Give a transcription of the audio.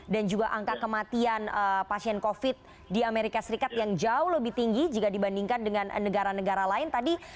juga angka kematian pasien covid di amerika serikat yang jauh lebih tinggi jika dibandingkan dengan negara negara lain tadi